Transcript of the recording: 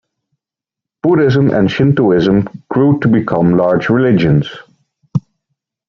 Buddhism and Shintoism grew to become large religions.